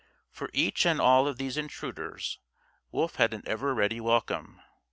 For each and all of these intruders Wolf had an ever ready welcome.